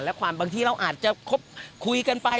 และความบางทีเราอาจจะคบคุยกันไป